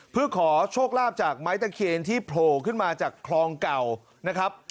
เพื่อขอโชคลาภจากไม้ตะเคียนที่โผล่ขึ้นมาจากคลองเก่านะครับ